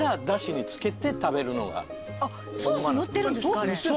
ソース塗ってるんですか。